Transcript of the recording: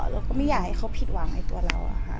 เราก็ไม่อยากให้เขาผิดหวังในตัวเราค่ะ